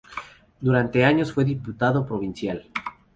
Durante años fue diputado provincial.